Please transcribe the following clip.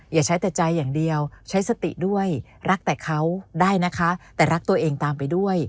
อย่าใช้แต่ใจอย่างเดียวใช้สติด้วยรักแต่เขาได้นะคะแต่รักตัวเองตามไปด้วย